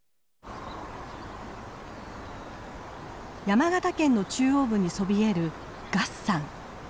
山形県の中央部にそびえる月山。